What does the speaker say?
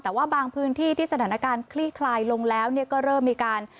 แต่ว่าบางพื้นที่ที่สถานการณ์คลี่คลายลงแล้วก็เริ่มมีการ